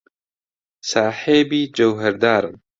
ساحێبی جەوهەردارن.